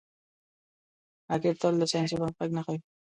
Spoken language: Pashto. راکټ تل د ساینسي پرمختګ نښه وي